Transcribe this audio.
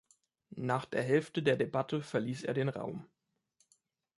Nach der Hälfte der Debatte verließ er den Raum.